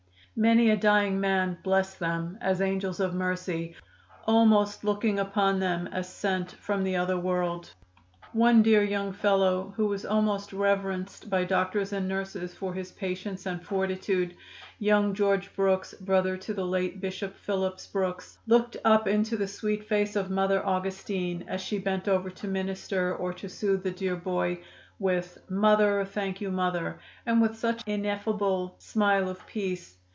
Many a dying man blessed them as angels of mercy, almost looking upon them as sent from the other world. "One dear young fellow, who was almost reverenced by doctors and nurses for his patience and fortitude (young George Brooks, brother to the late Bishop Philipps Brooks), looked up into the sweet face of Mother Augustine, as she bent over to minister or to soothe the dear boy, with: 'Mother, thank you, Mother,' and with such an ineffable smile of peace.